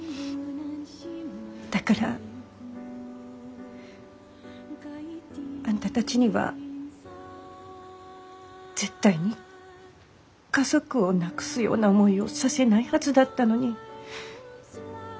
だからあんたたちには絶対に家族を亡くすような思いをさせないはずだったのに。